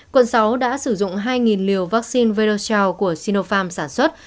quận sáu đã sử dụng hai liều vaccine vertal của sinopharm sản xuất